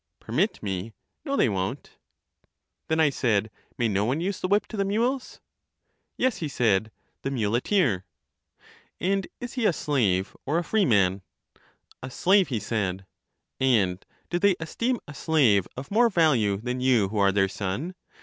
Permit me ! no they won't. Then, I said, may no one use the whip to the mules? Yes, he said, the muleteer. And is he a slave or a free man? A slave, he said. And do they esteem a slave of more value than you who are their son?